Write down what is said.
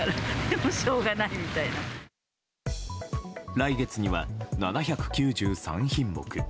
来月には７９３品目。